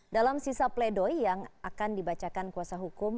dalam sisa pledoi yang akan dibacakan kuasa hukum